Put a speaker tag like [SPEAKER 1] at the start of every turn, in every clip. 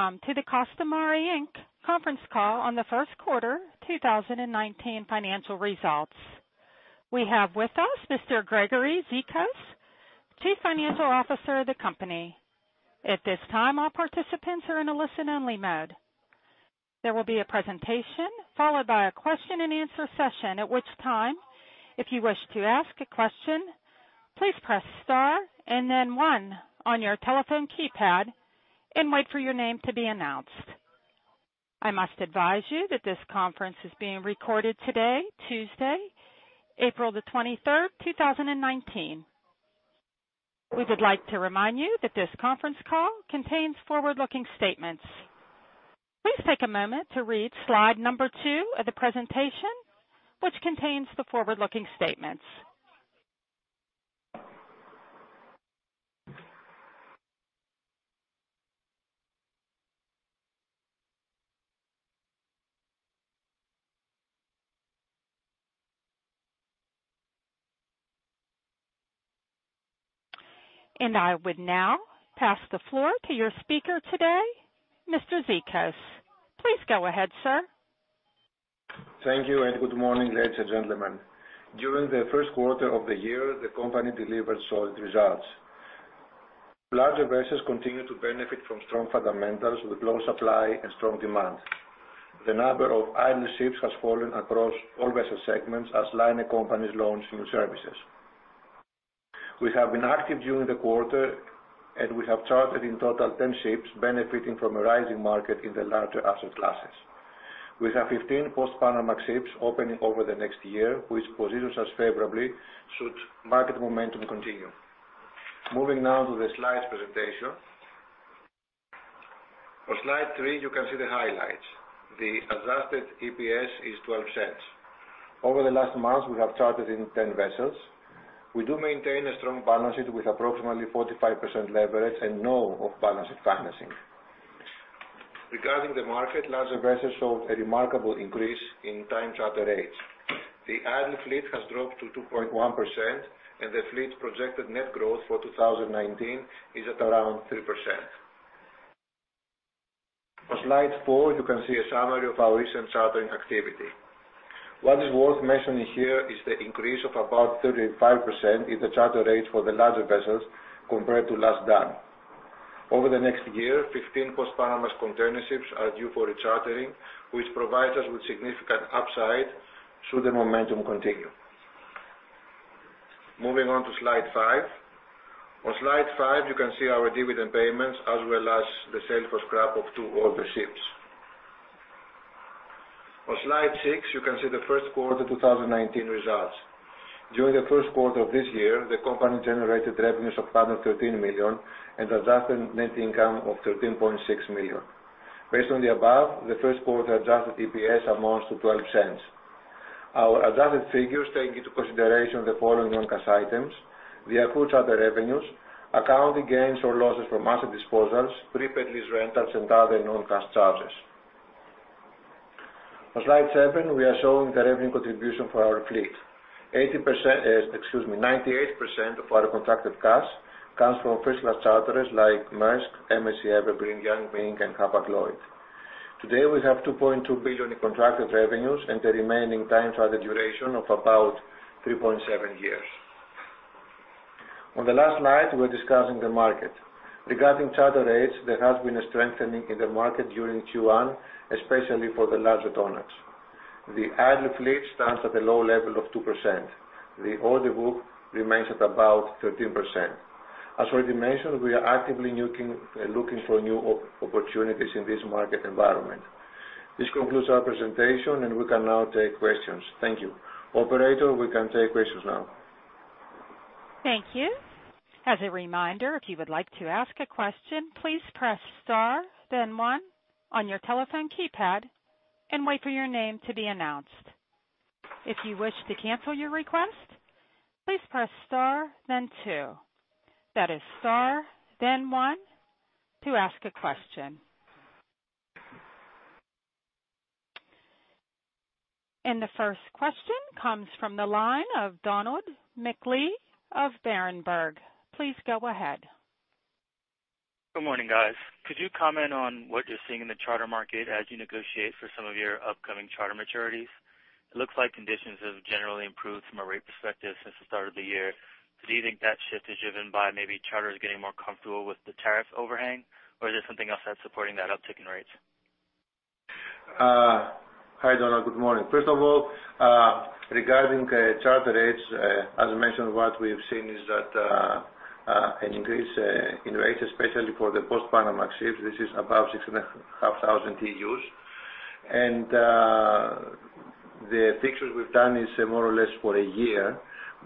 [SPEAKER 1] Welcome to the Costamare Inc. conference call on the first quarter 2019 financial results. We have with us Mr. Gregory Zikos, Chief Financial Officer of the company. At this time, all participants are in a listen-only mode. There will be a presentation followed by a question and answer session, at which time, if you wish to ask a question, please press star and then one on your telephone keypad and wait for your name to be announced. I must advise you that this conference is being recorded today, Tuesday, April the 23rd, 2019. We would like to remind you that this conference call contains forward-looking statements. Please take a moment to read slide number two of the presentation, which contains the forward-looking statements. I would now pass the floor to your speaker today, Mr. Zikos. Please go ahead, sir.
[SPEAKER 2] Thank you, good morning, ladies and gentlemen. During the first quarter of the year, the company delivered solid results. Larger vessels continue to benefit from strong fundamentals with low supply and strong demand. The number of idle ships has fallen across all vessel segments as liner companies launch new services. We have been active during the quarter, we have charted in total 10 ships benefiting from a rising market in the larger asset classes. We have 15 Post-Panamax ships opening over the next year, which positions us favorably should market momentum continue. Moving now to the slides presentation. On slide three, you can see the highlights. The adjusted EPS is $0.12. Over the last month, we have charted in 10 vessels. We do maintain a strong balance sheet with approximately 45% leverage and no off-balance sheet financing. Regarding the market, larger vessels showed a remarkable increase in time charter rates. The idle fleet has dropped to 2.1% and the fleet's projected net growth for 2019 is at around 3%. On slide four, you can see a summary of our recent chartering activity. What is worth mentioning here is the increase of about 35% in the charter rates for the larger vessels compared to last done. Over the next year, 15 Post-Panamax container ships are due for rechartering, which provides us with significant upside should the momentum continue. Moving on to slide five. On slide five, you can see our dividend payments as well as the sale for scrap of two older ships. On slide six, you can see the first quarter 2019 results. During the first quarter of this year, the company generated revenues of $113 million and adjusted net income of $13.6 million. Based on the above, the first quarter adjusted EPS amounts to $0.12. Our adjusted figures take into consideration the following non-cash items: the accrued charter revenues, accounting gains or losses from asset disposals, prepaid lease rentals, and other non-cash charges. On slide seven, we are showing the revenue contribution for our fleet. 98% of our contracted revenues comes from first class charterers like Maersk, MSC, Evergreen, Yang Ming, and Hapag-Lloyd. Today, we have $2.2 billion in contracted revenues and the remaining time charter duration of about 3.7 years. On the last slide, we're discussing the market. Regarding charter rates, there has been a strengthening in the market during Q1, especially for the larger tonnages. The idle fleet stands at a low level of 2%. The order book remains at about 13%. As already mentioned, we are actively looking for new opportunities in this market environment. This concludes our presentation, and we can now take questions. Thank you. Operator, we can take questions now.
[SPEAKER 1] Thank you. As a reminder, if you would like to ask a question, please press star then one on your telephone keypad and wait for your name to be announced. If you wish to cancel your request, please press star then two. That is star then one to ask a question. The first question comes from the line of Donald McLee of Berenberg. Please go ahead.
[SPEAKER 3] Good morning, guys. Could you comment on what you're seeing in the charter market as you negotiate for some of your upcoming charter maturities? It looks like conditions have generally improved from a rate perspective since the start of the year. Do you think that shift is driven by maybe charters getting more comfortable with the tariff overhang? Or is there something else that's supporting that uptick in rates?
[SPEAKER 2] Hi, Donald. Good morning. First of all, regarding charter rates, as I mentioned, what we have seen is that an increase in rates, especially for the Post-Panamax ships, this is about 6,500 TEUs. The fixers we've done is more or less for a year,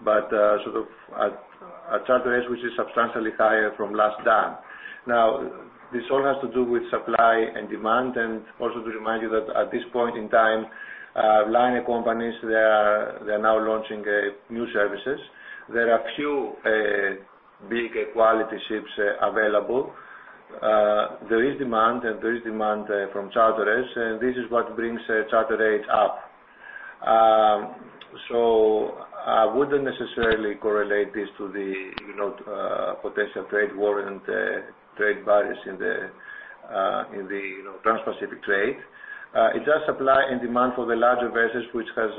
[SPEAKER 2] but sort of a charter rate which is substantially higher from last done. Now, this all has to do with supply and demand, and also to remind you that at this point in time, liner companies, they are now launching new services. There are few big quality ships available. There is demand from charterers, and this is what brings charter rates up. I wouldn't necessarily correlate this to the potential trade war and trade barriers in the transpacific trade. It does supply and demand for the larger vessels, which has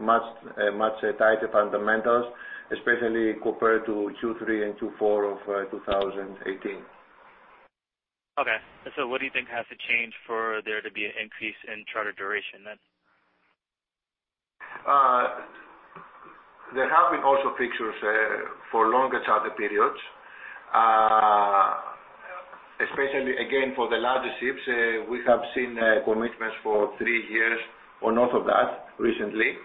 [SPEAKER 2] much tighter fundamentals, especially compared to Q3 and Q4 of 2018.
[SPEAKER 3] Okay. What do you think has to change for there to be an increase in charter duration then?
[SPEAKER 2] There have been also fixtures for longer charter periods, especially again for the larger ships. We have seen commitments for three years or north of that recently.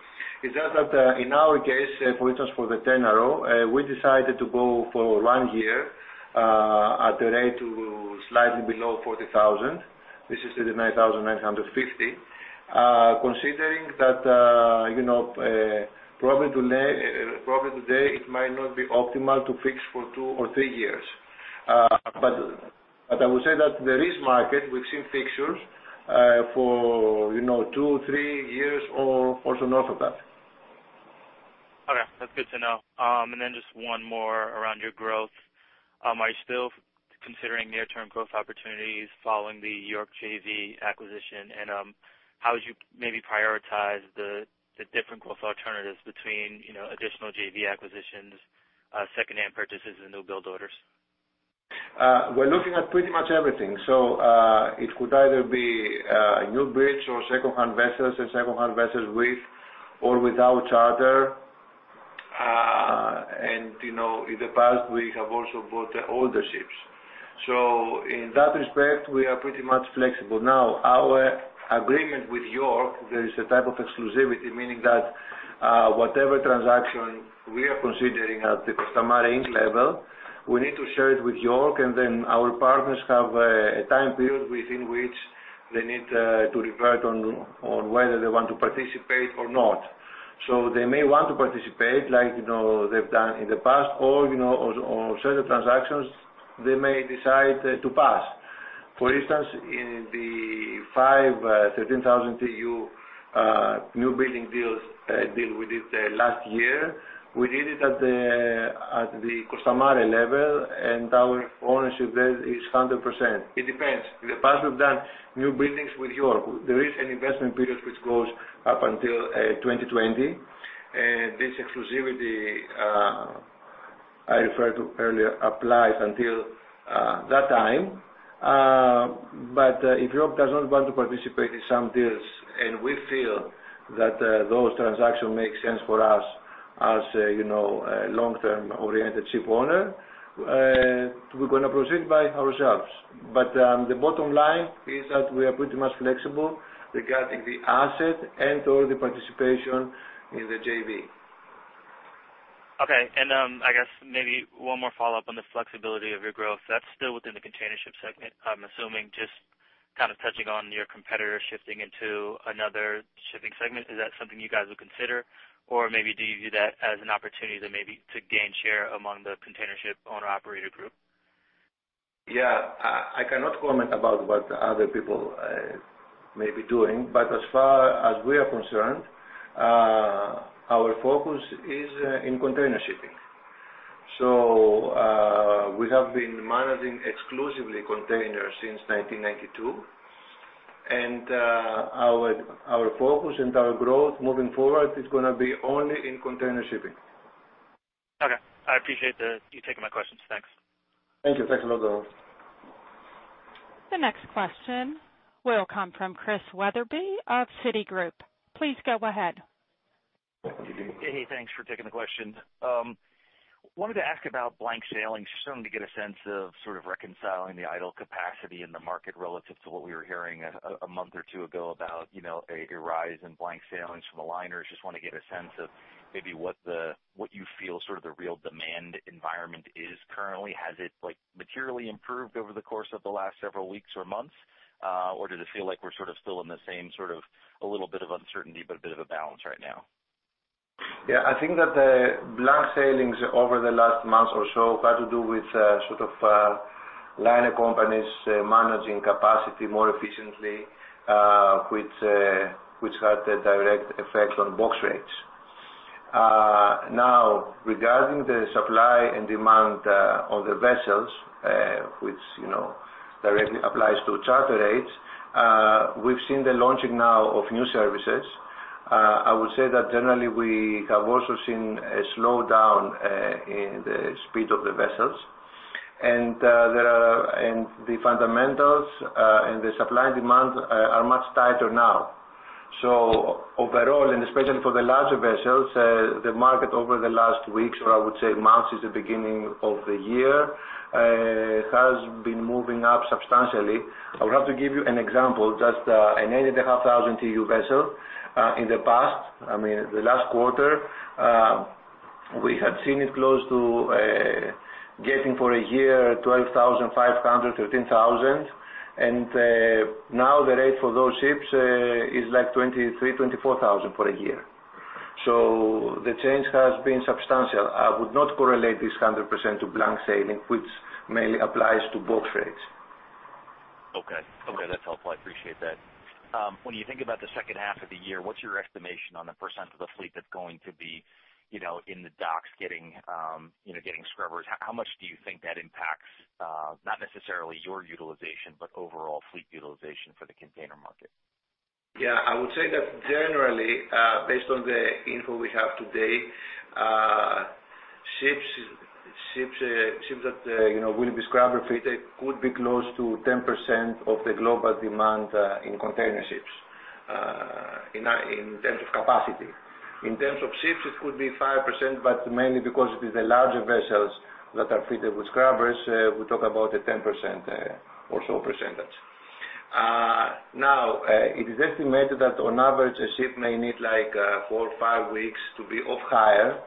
[SPEAKER 2] It's just that in our case, for instance, for the Tainaro, we decided to go for one year, at a rate to slightly below $40,000. This is the $39,950. Considering that probably today, it might not be optimal to fix for two or three years. I would say that there is market. We've seen fixtures for two, three years or also north of that.
[SPEAKER 3] Okay, that's good to know. Just one more around your growth. Are you still considering near-term growth opportunities following the York JV acquisition? How would you maybe prioritize the different growth alternatives between additional JV acquisitions, secondhand purchases, and new build orders?
[SPEAKER 2] We're looking at pretty much everything. It could either be a newbuild or secondhand vessels, and secondhand vessels with or without charter. In the past, we have also bought older ships. In that respect, we are pretty much flexible. Now, our agreement with York, there is a type of exclusivity, meaning that whatever transaction we are considering at the Costamare Inc. level, we need to share it with York, and then our partners have a time period within which they need to revert on whether they want to participate or not. They may want to participate like they've done in the past or on certain transactions, they may decide to pass. For instance, in the five 13,000 TEU newbuilding deal we did last year, we did it at the Costamare level and our ownership there is 100%. It depends. In the past, we've done new buildings with York. There is an investment period which goes up until 2020. This exclusivity I referred to earlier applies until that time. If York does not want to participate in some deals, and we feel that those transactions make sense for us as a long-term oriented ship owner, we're going to proceed by ourselves. The bottom line is that we are pretty much flexible regarding the asset and/or the participation in the JV.
[SPEAKER 3] Okay. I guess maybe one more follow-up on the flexibility of your growth. That's still within the containership segment, I'm assuming, just touching on your competitor shifting into another shipping segment. Is that something you guys would consider or maybe to gain share among the containership owner/operator group?
[SPEAKER 2] Yeah. I cannot comment about what other people may be doing. As far as we are concerned, our focus is in container shipping. We have been managing exclusively containers since 1992. Our focus and our growth moving forward is going to be only in container shipping.
[SPEAKER 3] Okay. I appreciate you taking my questions. Thanks.
[SPEAKER 2] Thank you. Thanks a lot, Donald.
[SPEAKER 1] The next question will come from Chris Wetherbee of Citigroup. Please go ahead.
[SPEAKER 4] Hey. Thanks for taking the question. Wanted to ask about blank sailing, just wanting to get a sense of sort of reconciling the idle capacity in the market relative to what we were hearing a month or two ago about a rise in blank sailings from the liners. Just want to get a sense of maybe what you feel sort of the real demand environment is currently. Has it materially improved over the course of the last several weeks or months? Or does it feel like we're sort of still in the same sort of a little bit of uncertainty but a bit of a balance right now?
[SPEAKER 2] Yeah, I think that the blank sailings over the last month or so had to do with sort of liner companies managing capacity more efficiently which had a direct effect on box rates. Now, regarding the supply and demand of the vessels, which directly applies to charter rates, we've seen the launching now of new services. I would say that generally, we have also seen a slowdown in the speed of the vessels. The fundamentals and the supply-demand are much tighter now. Overall, and especially for the larger vessels, the market over the last weeks, or I would say months since the beginning of the year, has been moving up substantially. I would have to give you an example, just an 8,500 TEU vessel. In the past, I mean, the last quarter, we had seen it close to getting for a year $12,500, $13,000. Now the rate for those ships is like $23,000, $24,000 for a year. The change has been substantial. I would not correlate this 100% to blank sailing, which mainly applies to box rates.
[SPEAKER 4] Okay. That's helpful. I appreciate that. When you think about the second half of the year, what's your estimation on the % of the fleet that's going to be in the docks getting scrubbers? How much do you think that impacts, not necessarily your utilization, but overall fleet utilization for the container market?
[SPEAKER 2] Yeah, I would say that generally, based on the info we have today, ships that will be scrubber-fitted could be close to 10% of the global demand in container ships in terms of capacity. In terms of ships, it could be 5%, but mainly because it is the larger vessels that are fitted with scrubbers, we talk about a 10% or so percentage. It is estimated that on average, a ship may need four or five weeks to be off-hire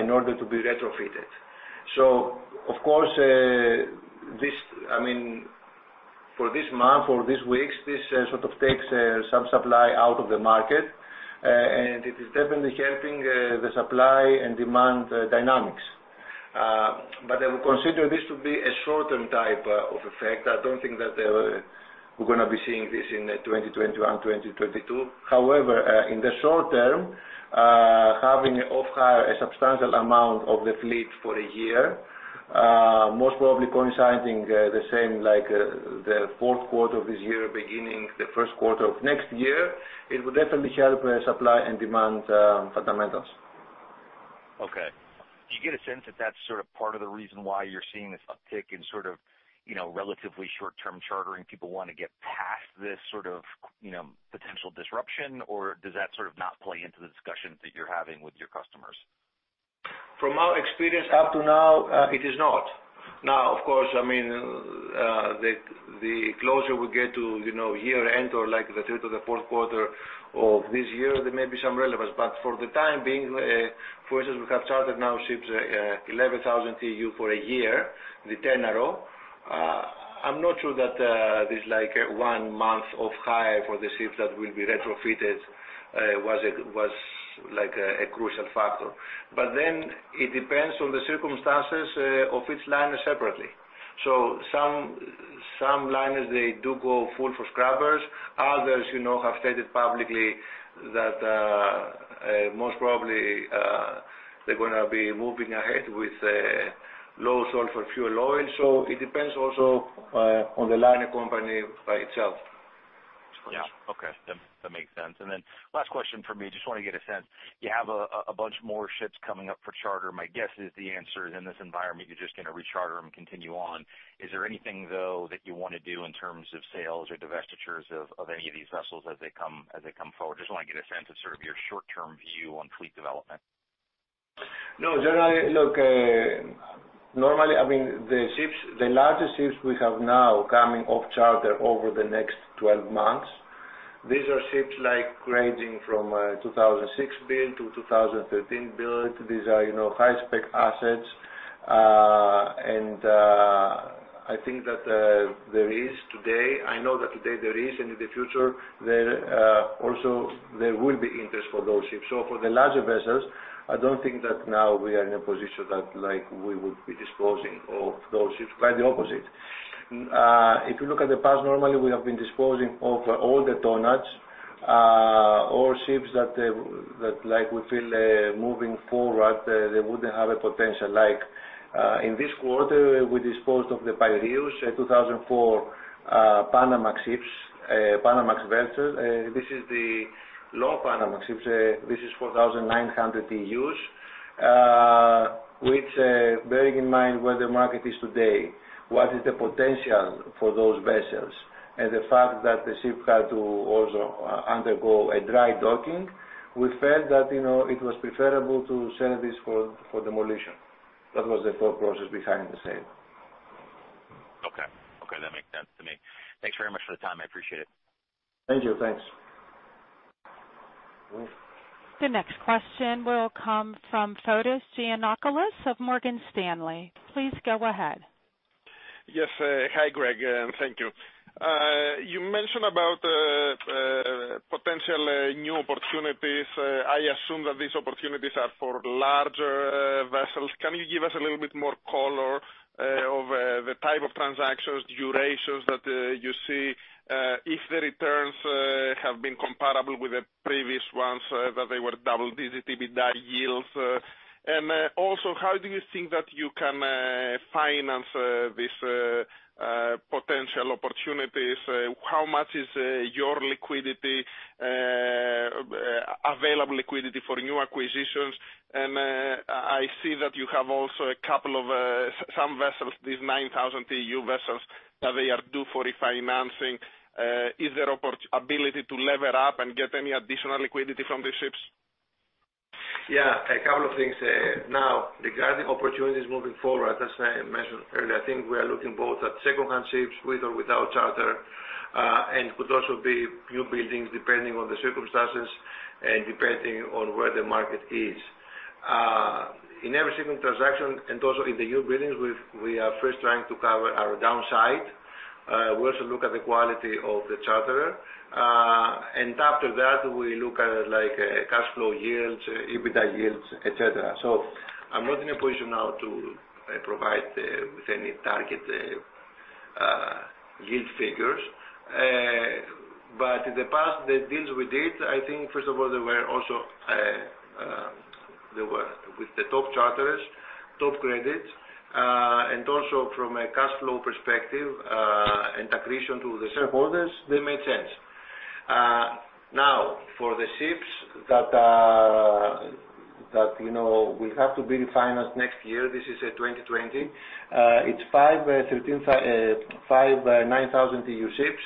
[SPEAKER 2] in order to be retrofitted. Of course, for this month or these weeks, this sort of takes some supply out of the market, and it is definitely helping the supply and demand dynamics. I would consider this to be a short-term type of effect. I don't think that we're going to be seeing this in 2021, 2022. However, in the short term, having off-hire a substantial amount of the fleet for a year, most probably coinciding the same like the fourth quarter of this year, beginning the first quarter of next year, it will definitely help supply and demand fundamentals.
[SPEAKER 4] Okay. Do you get a sense that that's sort of part of the reason why you're seeing this uptick in sort of relatively short-term chartering, people want to get past this potential disruption, or does that sort of not play into the discussions that you're having with your customers?
[SPEAKER 2] Of course, the closer we get to year-end or like the third to the fourth quarter of this year, there may be some relevance. For the time being, for instance, we have chartered now ships 11,000 TEU for a year, the Valor. I'm not sure that this one month off-hire for the ships that will be retrofitted was a crucial factor. It depends on the circumstances of each liner separately. Some liners, they do go full for scrubbers. Others have stated publicly that most probably they're going to be moving ahead with low sulfur fuel oil. It depends also on the liner company by itself.
[SPEAKER 4] Yeah. Okay. That makes sense. Last question from me, just want to get a sense. You have a bunch more ships coming up for charter. My guess is the answer is in this environment, you're just going to re-charter them and continue on. Is there anything, though, that you want to do in terms of sales or divestitures of any of these vessels as they come forward? Just want to get a sense of sort of your short-term view on fleet development.
[SPEAKER 2] No, generally, look, normally, the largest ships we have now coming off charter over the next 12 months, these are ships ranging from 2006 build to 2013 build. These are high-spec assets. I think that there is today, I know that today there is, and in the future, also there will be interest for those ships. For the larger vessels, I don't think that now we are in a position that we would be disposing of those ships, quite the opposite. If you look at the past, normally, we have been disposing of all the tonnages, or ships that we feel moving forward, they wouldn't have a potential. Like in this quarter, we disposed of the Piraeus 2004 Panamax vessels. This is the long Panamax ships. This is 4,900 TEUs, which bearing in mind where the market is today, what is the potential for those vessels, and the fact that the ship had to also undergo a dry docking, we felt that it was preferable to sell this for demolition. That was the thought process behind the sale.
[SPEAKER 4] Okay. That makes sense to me. Thanks very much for the time. I appreciate it.
[SPEAKER 2] Thank you. Thanks.
[SPEAKER 1] The next question will come from Fotis Giannakoulis of Morgan Stanley. Please go ahead.
[SPEAKER 5] Yes. Hi, Greg, and thank you. You mentioned about potential new opportunities. I assume that these opportunities are for larger vessels. Can you give us a little bit more color of the type of transactions, durations that you see, if the returns have been comparable with the previous ones, that they were double-digit EBITDA yields? How do you think that you can finance these potential opportunities? How much is your available liquidity for new acquisitions? I see that you have also some vessels, these 9,000 TEU vessels, that they are due for refinancing. Is there ability to lever up and get any additional liquidity from the ships?
[SPEAKER 2] A couple of things. Regarding opportunities moving forward, as I mentioned earlier, I think we are looking both at secondhand ships with or without charter, and could also be new buildings depending on the circumstances and depending on where the market is. In every single transaction and also in the new buildings, we are first trying to cover our downside. We also look at the quality of the charterer. After that, we look at cash flow yields, EBITDA yields, et cetera. I'm not in a position now to provide with any target yield figures. In the past, the deals we did, I think first of all, they were with the top charterers, top credits, and also from a cash flow perspective, and accretion to the shareholders, they made sense. For the ships that will have to be refinanced next year, this is 2020. It's five 9,000 TEU ships,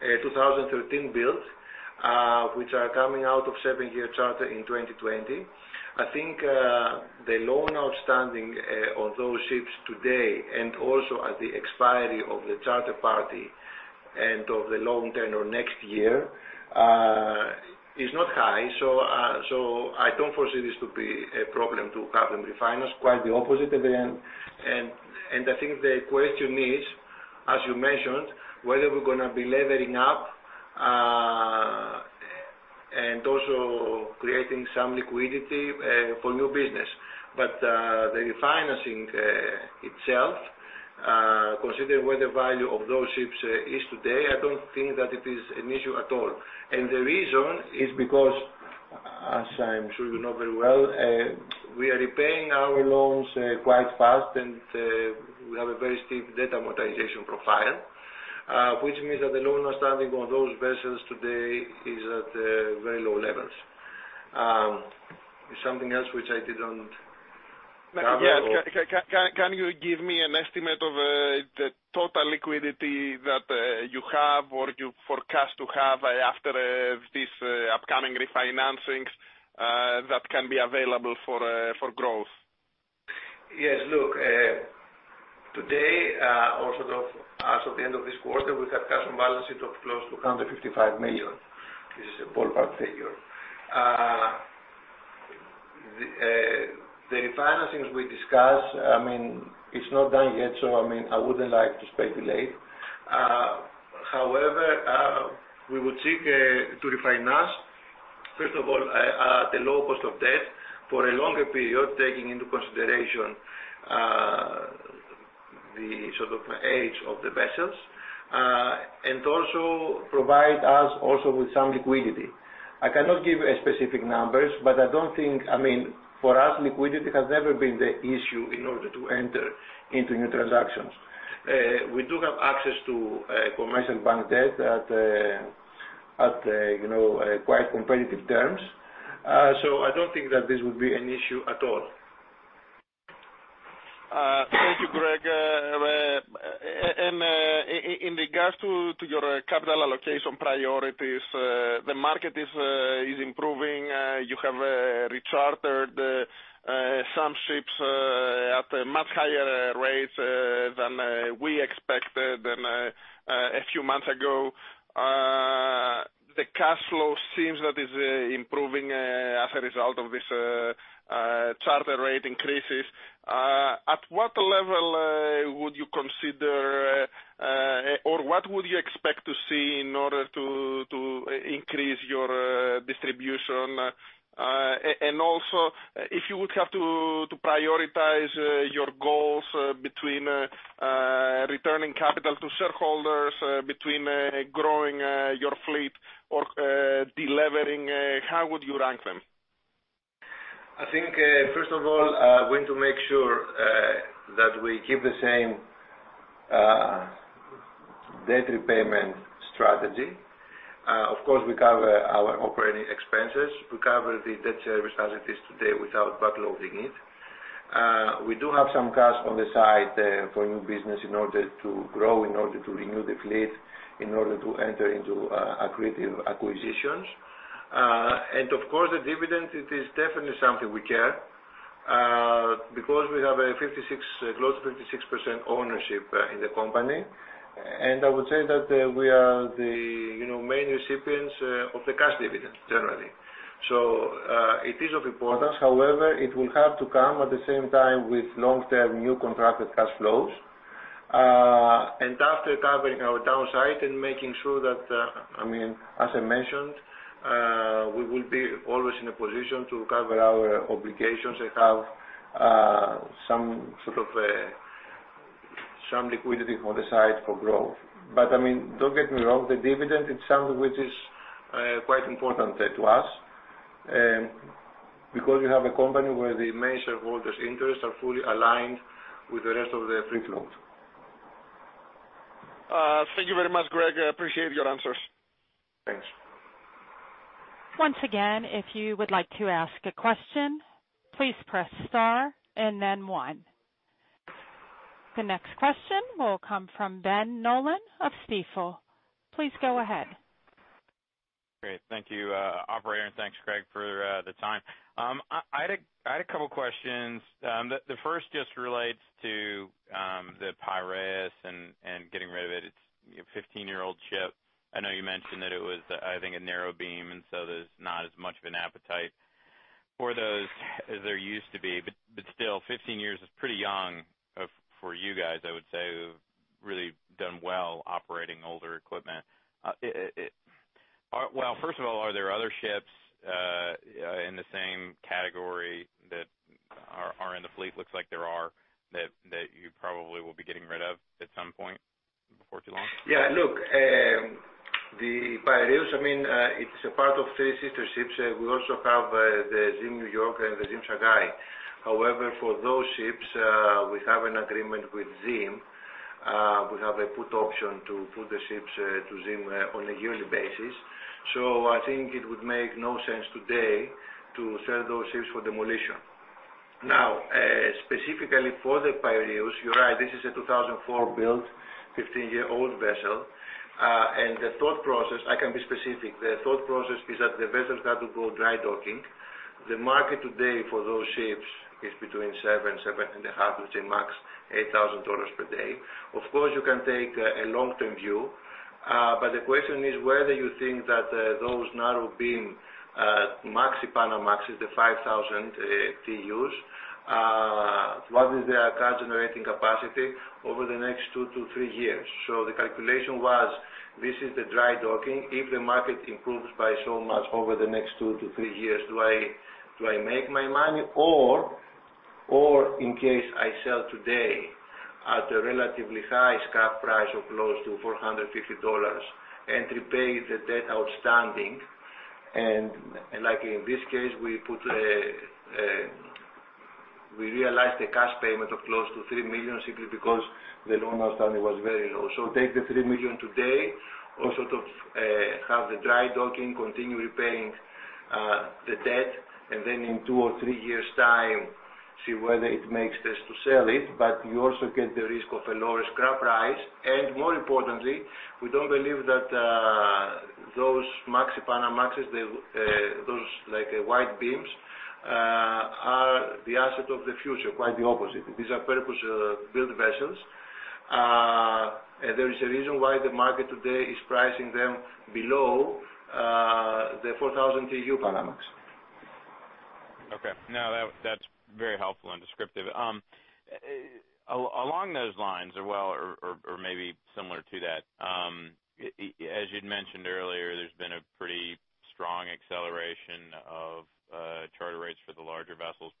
[SPEAKER 2] 2013 build, which are coming out of seven-year charter in 2020. The loan outstanding on those ships today, and also at the expiry of the charter party, and of the loan tenure next year is not high. I don't foresee this to be a problem to have them refinanced, quite the opposite even. The question is, as you mentioned, whether we're going to be levering up, and also creating some liquidity for new business. The refinancing itself, considering where the value of those ships is today, I don't think that it is an issue at all. The reason is because, as I am sure you know very well, we are repaying our loans quite fast, and we have a very steep debt amortization profile, which means that the loan outstanding on those vessels today is at very low levels. Something else which I didn't cover?
[SPEAKER 5] Yes. Can you give me an estimate of the total liquidity that you have or you forecast to have after these upcoming refinancings that can be available for growth?
[SPEAKER 2] Yes. Look, today, also as of the end of this quarter, we have cash on balance sheet of close to $155 million. This is a ballpark figure. The refinancings we discussed, it's not done yet. I wouldn't like to speculate. However, we would seek to refinance, first of all, at the low cost of debt for a longer period, taking into consideration the age of the vessels, and also provide us also with some liquidity. I cannot give specific numbers, but for us, liquidity has never been the issue in order to enter into new transactions. We do have access to commercial bank debt at quite competitive terms. I don't think that this would be an issue at all.
[SPEAKER 5] Thank you, Greg. In regards to your capital allocation priorities, the market is improving. You have rechartered some ships at a much higher rate than we expected than a few months ago. The cash flow seems that is improving as a result of this charter rate increases. At what level would you consider or what would you expect to see in order to increase your distribution? Also, if you would have to prioritize your goals between returning capital to shareholders, between growing your fleet or de-levering, how would you rank them?
[SPEAKER 2] I think, first of all, we need to make sure that we keep the same debt repayment strategy. Of course, we cover our operating expenses. We cover the debt service as it is today without backloading it. We do have some cash on the side for new business in order to grow, in order to renew the fleet, in order to enter into accretive acquisitions. Of course, the dividend, it is definitely something we care, because we have close to 56% ownership in the company. I would say that we are the main recipients of the cash dividend, generally. It is of importance. However, it will have to come at the same time with long-term new contracted cash flows. After covering our downside and making sure that, as I mentioned, we will be always in a position to cover our obligations and have some sort of liquidity on the side for growth. Don't get me wrong, the dividend is something which is quite important to us, because we have a company where the main shareholders' interests are fully aligned with the rest of the free float.
[SPEAKER 5] Thank you very much, Greg. I appreciate your answers.
[SPEAKER 2] Thanks.
[SPEAKER 1] Once again, if you would like to ask a question, please press star and then one. The next question will come from Ben Nolan of Stifel. Please go ahead.
[SPEAKER 6] Great. Thank you, operator, and thanks Greg for the time. I had a couple questions. The first just relates to the Piraeus and getting rid of it. It's a 15-year-old ship. I know you mentioned that it was, I think, a narrow beam, so there's not as much of an appetite for those as there used to be. Still, 15 years is pretty young for you guys, I would say, who've really done well operating older equipment. First of all, are there other ships in the same category that are in the fleet? Looks like there are, that you probably will be getting rid of at some point before too long.
[SPEAKER 2] Yeah. Look, the Piraeus, it is a part of three sister ships. We also have the Zim New York and the Zim Shanghai. For those ships, we have an agreement with Zim. We have a put option to put the ships to Zim on a yearly basis. I think it would make no sense today to sell those ships for demolition. Specifically for the Piraeus, you are right, this is a 2004-built, 15-year-old vessel. The thought process, I can be specific, the thought process is that the vessels had to go dry docking. The market today for those ships is between $7,000, $7,500, which is max $8,000 per day. Of course, you can take a long-term view. The question is whether you think that those narrow-beam Maxi Panamax is the 5,000 TEUs. What is their cash generating capacity over the next two to three years? The calculation was, this is the dry docking. If the market improves by so much over the next two to three years, do I make my money? In case I sell today at a relatively high scrap price of close to $450 and repay the debt outstanding. Likely in this case, we realized a cash payment of close to $3 million simply because the loan outstanding was very low. Take the $3 million today or have the dry docking, continue repaying the debt, and then in two or three years' time, see whether it makes sense to sell it. You also get the risk of a lower scrap price. More importantly, we do not believe that those Maxi Panamax, those wide beams are the asset of the future. Quite the opposite. These are purpose-built vessels. There is a reason why the market today is pricing them below the 4,000 TEU Panamax.
[SPEAKER 6] Okay. No, that is very helpful and descriptive. Along those lines or maybe similar to that, as you had mentioned earlier, there has been a pretty strong acceleration of charter rates for the larger vessels.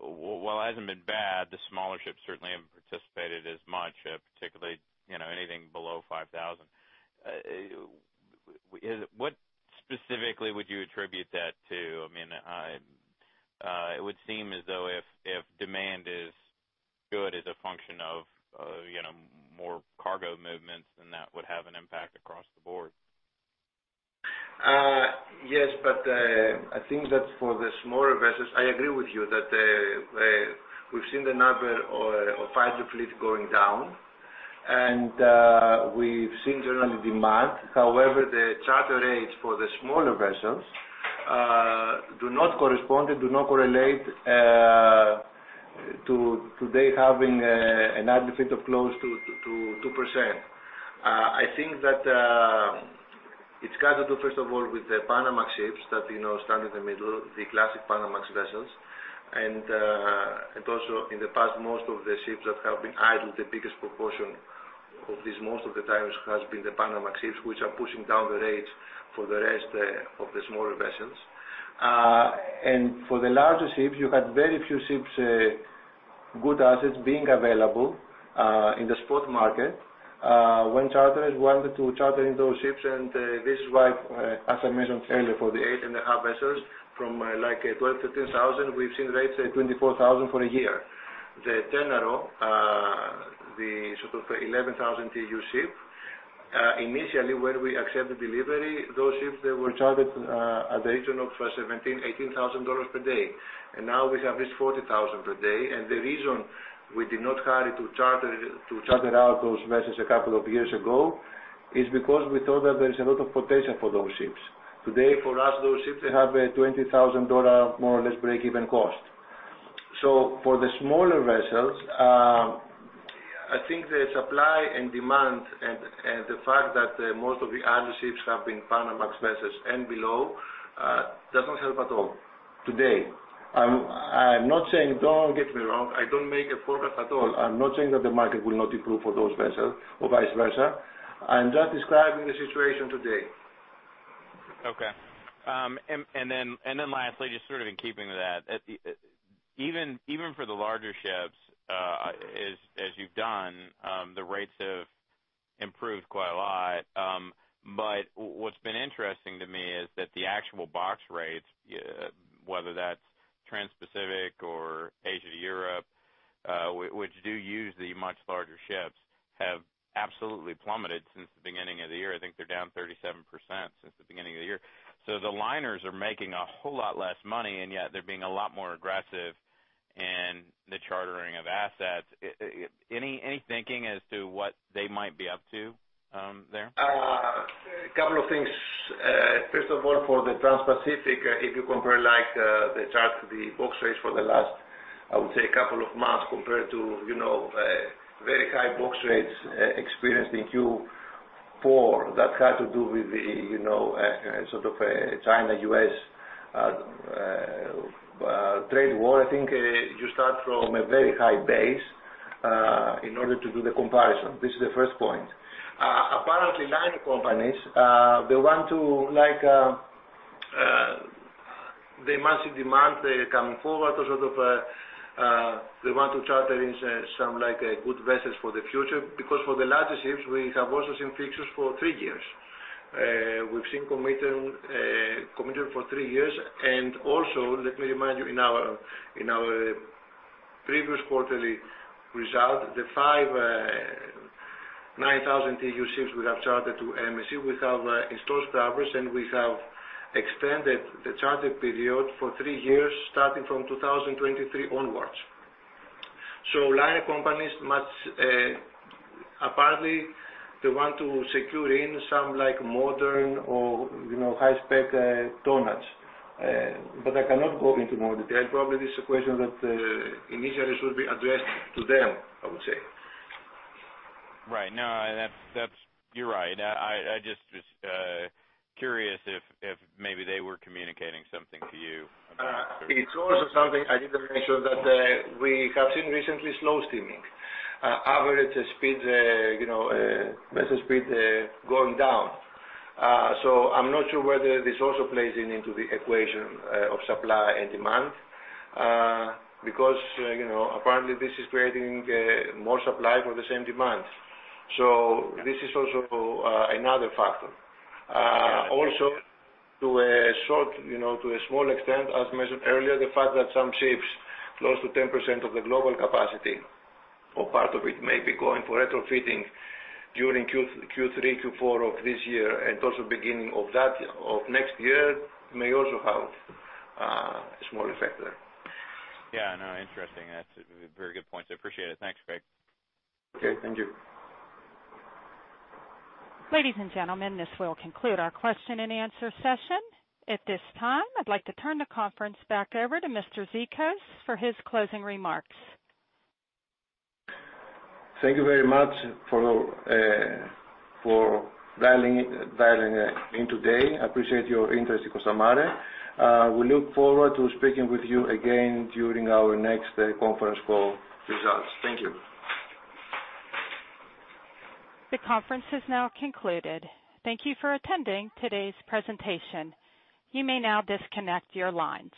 [SPEAKER 6] While it has not been bad, the smaller ships certainly have not participated as much, particularly anything below 5,000. What specifically would you attribute that to? It would seem as though if demand is good as a function of more cargo movements, then that would have an impact across the board.
[SPEAKER 2] Yes. I think that for the smaller vessels, I agree with you that we've seen the number of idle fleet going down, and we've seen general demand. However, the charter rates for the smaller vessels do not correspond and do not correlate to today having an idle fleet of close to 2%. I think that it's got to do, first of all, with the Panamax ships that stand in the middle, the classic Panamax vessels. Also in the past, most of the ships that have been idle, the biggest proportion of these most of the times has been the Panamax ships, which are pushing down the rates for the rest of the smaller vessels. For the larger ships, you had very few ships, good assets being available in the spot market when charterers wanted to charter those ships. This is why, as I mentioned earlier, for the 8,500 vessels from 12,000 to 15,000, we've seen rates at 24,000 for a year. The Valor, the 11,000 TEU ship, initially when we accept the delivery, those ships they were chartered at the region of $17,000-$18,000 per day. Now we have it $40,000 per day. The reason we did not hurry to charter out those vessels a couple of years ago is because we thought that there is a lot of potential for those ships. Today, for us, those ships they have a $20,000 more or less break-even cost. For the smaller vessels, I think the supply and demand and the fact that most of the idle ships have been Panamax vessels and below, doesn't help at all today. Don't get me wrong. I don't make a forecast at all. I'm not saying that the market will not improve for those vessels or vice versa. I'm just describing the situation today.
[SPEAKER 6] Okay. Lastly, just in keeping with that. Even for the larger ships as you've done, the rates have improved quite a lot. What's been interesting to me is that the actual box rates whether that's Transpacific or Asia to Europe which do use the much larger ships, have absolutely plummeted since the beginning of the year. I think they're down 37% since the beginning of the year. The liners are making a whole lot less money, yet they're being a lot more aggressive in the chartering of assets. Any thinking as to what they might be up to there?
[SPEAKER 2] A couple of things. First of all, for the Transpacific, if you compare the chart to the box rates for the last, I would say a couple of months compared to very high box rates experienced in Q4. That had to do with the China-U.S. trade war. I think you start from a very high base. In order to do the comparison. This is the first point. Apparently, liner companies, they want to They must see demand coming forward or they want to charter in some good vessels for the future, because for the larger ships, we have also seen fixtures for three years. We've seen commitment for three years. Also, let me remind you, in our previous quarterly result, the five 9,000 TEU ships we have chartered to MSC, we have in-place charters, and we have extended the charter period for three years, starting from 2023 onwards. Liner companies must, apparently, they want to secure in some modern or high-spec tonnages. I cannot go into more detail. Probably this is a question that initially should be addressed to them, I would say.
[SPEAKER 6] Right. No, you're right. I just was curious if maybe they were communicating something to you.
[SPEAKER 2] It's also something I didn't mention that we have seen recently slow steaming. Average vessel speed going down. I'm not sure whether this also plays into the equation of supply and demand, because apparently this is creating more supply for the same demand. This is also another factor. Also, to a small extent, as mentioned earlier, the fact that some ships, close to 10% of the global capacity or part of it may be going for retrofitting during Q3, Q4 of this year and also beginning of next year may also have a small effect there.
[SPEAKER 6] Yeah, no, interesting. That's a very good point. I appreciate it. Thanks, Greg.
[SPEAKER 2] Okay, thank you.
[SPEAKER 1] Ladies and gentlemen, this will conclude our question and answer session. At this time, I'd like to turn the conference back over to Mr. Zikos for his closing remarks.
[SPEAKER 2] Thank you very much for dialing in today. Appreciate your interest in Costamare. We look forward to speaking with you again during our next conference call results. Thank you.
[SPEAKER 1] The conference has now concluded. Thank you for attending today's presentation. You may now disconnect your lines.